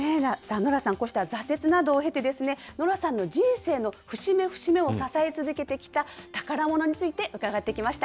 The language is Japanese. ノラさん、こうした挫折などを経てですね、ノラさんの人生の節目節目を支え続けてきた宝ものについて伺ってきました。